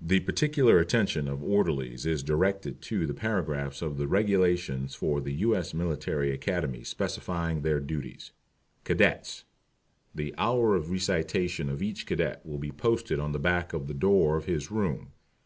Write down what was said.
The particular attention of Orderlies is directed to those paragraphs of the Regulations for the U. S. Military Academy specifying their duties. CADETS. The hours of Recitation of each Cadet will be posted on the back of the door of his room.